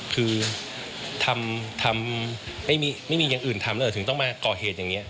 คือทำไม่มีอย่างอื่นทำแล้วถึงต้องมาก่อเหตุอย่างนี้